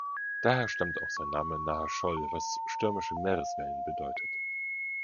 Daher stammt auch sein Name „Nahshol“, was „stürmische Meereswellen“ bedeutet.